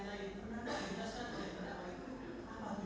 bapak sudah cukup